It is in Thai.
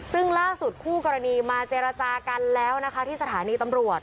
ซึ่งล่าสุดคู่กรณีมาเจรจากันแล้วนะคะที่สถานีตำรวจ